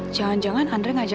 jangan jangan andre ngajak